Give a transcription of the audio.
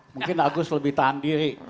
mungkin agus lebih tahan diri